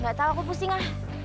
gak tahu aku pusing ah